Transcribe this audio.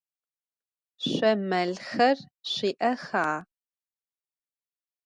Şso melxer şsui'exa?